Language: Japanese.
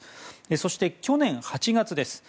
そして去年８月です。